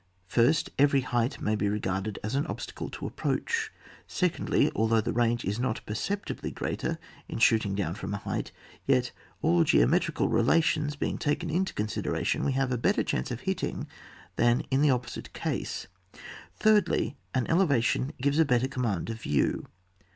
First, every height may be regarded as an obstacle to approach ; secondly, although the range is not per ceptibly greater in shooting down from a height, yet, all geometrical relations being taken into consideration, we have a better chance of hitting than in the op posite case ; thirdly, an elevation gives a better command of view.